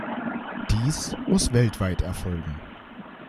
Dies muss weltweit erfolgen.